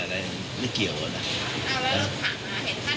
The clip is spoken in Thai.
แล้วความต้องการของพวกนี้